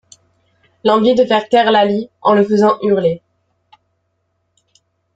L'envie de faire taire Laly en la faisant hurler.